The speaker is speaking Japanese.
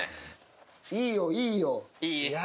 いいよ、いいよ。